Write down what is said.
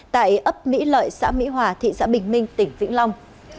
tại ấp mỹ lợi xã mỹ hòa thị xã bình minh tỉnh vĩnh long